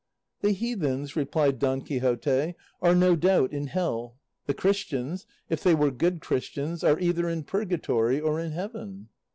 "The heathens," replied Don Quixote, "are, no doubt, in hell; the Christians, if they were good Christians, are either in purgatory or in heaven."